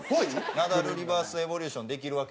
ナダルリバースエボリューションできるわけ？